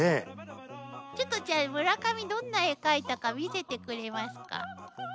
ちょっとじゃあ村上どんな絵描いたか見せてくれますか。